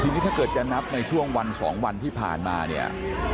ทีนี้ถ้าเกิดจะนับในช่วงวัน๒วันที่ผ่านมาเนี่ย